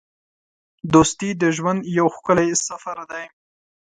دوستي د ژوند یو ښکلی سفر دی.